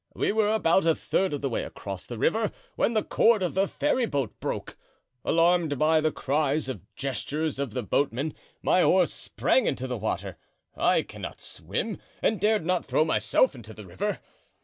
"We were about a third of the way across the river when the cord of the ferryboat broke. Alarmed by the cries and gestures of the boatmen, my horse sprang into the water. I cannot swim, and dared not throw myself into the river.